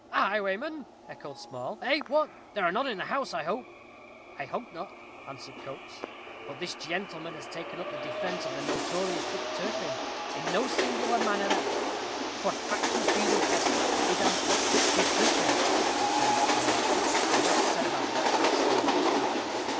"A highwayman!" echoed Small. "Eh! what? there are none in the house, I hope." "I hope not," answered Coates. "But this gentleman has taken up the defence of the notorious Dick Turpin in so singular a manner, that " "Quod factu fœdum est, idem est et Dictu Turpe," returned Small. "The less said about that rascal the better."